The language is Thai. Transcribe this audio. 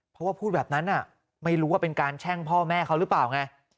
เพราะว่าพูดแบบนั้นไม่รู้ว่าเป็นการแช่งพ่อแม่เขาหรือเปล่าไง